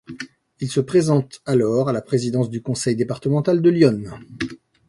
Il se présente alors à la présidence du conseil départemental de l'Yonne.